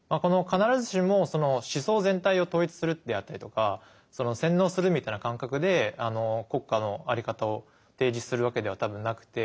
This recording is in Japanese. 必ずしもその思想全体を統一するであったりとかその洗脳するみたいな感覚で国家の在り方を提示するわけでは多分なくて。